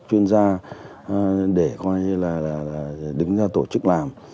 chuyên gia để coi như là đứng ra tổ chức làm